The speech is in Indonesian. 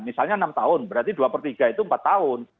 misalnya enam tahun berarti dua per tiga itu empat tahun